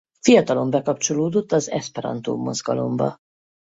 Fiatalon bekapcsolódott az eszperantó mozgalomba.